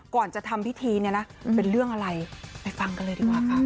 ก่อนจะทำพิธีเนี่ยนะเป็นเรื่องอะไรไปฟังกันเลยดีกว่าค่ะ